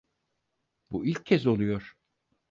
Bu ilk kez oluyor.